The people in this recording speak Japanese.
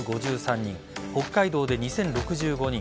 北海道で２０６５人